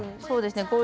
そうですね